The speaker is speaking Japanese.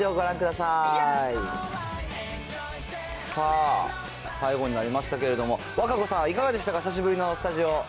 さあ、最後になりましたけれども、和歌子さん、いかがでしたか、久しぶりのスタジオ。